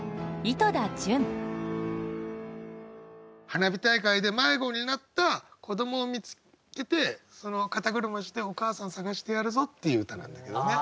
花火大会で迷子になった子どもを見つけて肩車してお母さん捜してやるぞっていう歌なんだけどね。